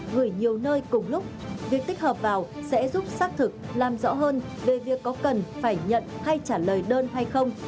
gửi nhiều nơi cùng lúc việc tích hợp vào sẽ giúp xác thực làm rõ hơn về việc có cần phải nhận hay trả lời đơn hay không